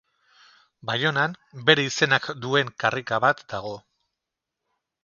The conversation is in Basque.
Baionan bere izenak duen karrika bat dago.